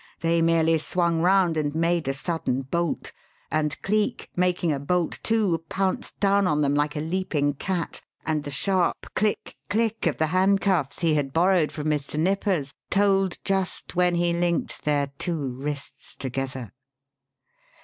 They merely swung round and made a sudden bolt; and Cleek, making a bolt, too, pounced down on them like a leaping cat, and the sharp click click of the handcuffs he had borrowed from Mr. Nippers told just when he linked their two wrists together.